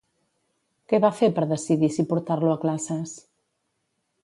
Què va fer per decidir si portar-lo a classes?